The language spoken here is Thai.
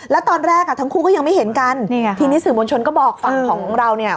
แล้วตอนแรกอ่ะทั้งคู่ก็ยังไม่เห็นกันนี่ไงทีนี้สื่อมวลชนก็บอกฝั่งของเราเนี่ย